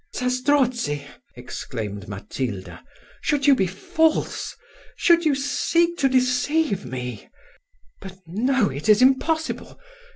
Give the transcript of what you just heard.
"Zastrozzi!" exclaimed Matilda, "should you be false should you seek to deceive me But, no, it is impossible.